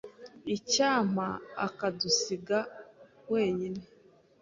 Icyampa akadusiga wenyine.